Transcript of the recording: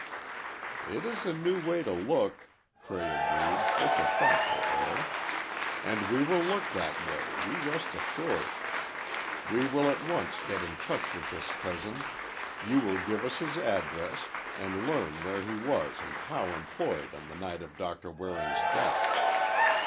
"It is a new way to look," Cray agreed, with a thoughtful air; "and we will look that way, you rest assured. We will at once get in touch with this cousin, you will give us his address, and learn where he was and how employed on the night of Doctor Waring's death.